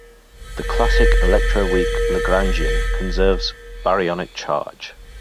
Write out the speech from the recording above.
The classic electroweak Lagrangian conserves baryonic charge.